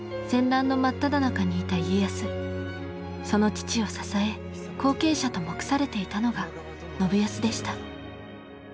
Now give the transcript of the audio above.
その父を支え後継者と目されていたのが信康でした。